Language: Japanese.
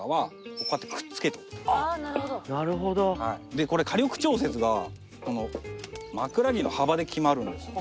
でこれ火力調節がこの枕木の幅で決まるんですよ。